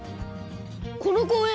この公園